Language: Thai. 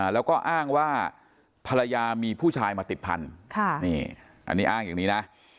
แล้วก็อ้างว่าภรรยามีผู้ชายมาติดพันธุ์อันนี้อ้างอย่างนี้นะ